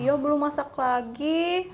yo belum masak lagi